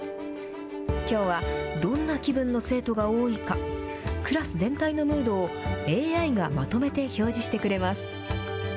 きょうは、どんな気分の生徒が多いか、クラス全体のムードをＡＩがまとめて表示してくれます。